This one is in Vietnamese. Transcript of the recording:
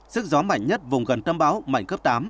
sức gió mạnh nhất vùng gần tâm bão mạnh cấp tám